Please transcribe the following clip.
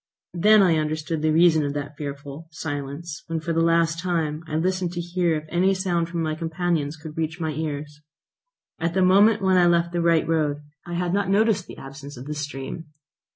Then I understood the reason of that fearful, silence, when for the last time I listened to hear if any sound from my companions could reach my ears. At the moment when I left the right road I had not noticed the absence of the stream.